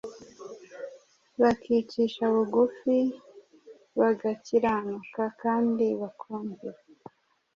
bakicisha bugufi, bagakiranuka, kandi bakumvira.